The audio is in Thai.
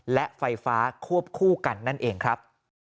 และไฟฟ้าควบคู่กันนั่นเองครับ